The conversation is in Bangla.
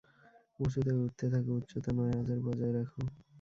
উঁচুতে উঠতে থাকো, উচ্চতা নয় হাজার বজায় রাখো।